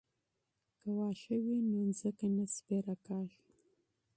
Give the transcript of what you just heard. که واښه وي نو ځمکه نه سپیره کیږي.